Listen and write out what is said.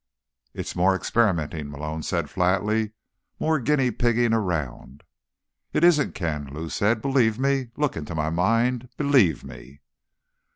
"It's more experimenting," Malone said flatly. "More guinea pigging around." "It isn't, Ken," Lou said. "Believe me. Look into my mind. Believe me."